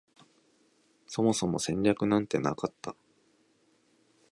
そもそも戦略なんてなかった